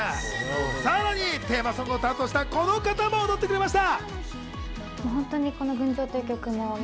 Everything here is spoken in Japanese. さらにテーマソングを担当したこの方も踊ってくれました。